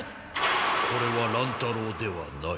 これは乱太郎ではない。